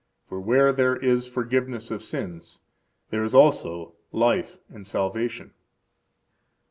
For where there is forgiveness of sins, there is also life and salvation.